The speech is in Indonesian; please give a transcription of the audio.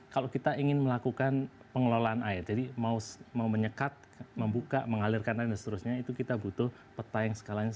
kalau kita ingin melakukan pengelolaan air jadi mau menyekat membuka mengalirkan air dan seterusnya itu kita butuh peta yang skalanya